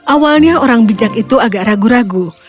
awalnya orang bijak itu agak ragu ragu